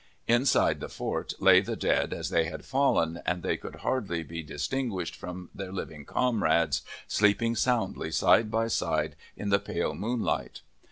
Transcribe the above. Inside the fort lay the dead as they had fallen, and they could hardly be distinguished from their living comrades, sleeping soundly side by side in the pale moonlight.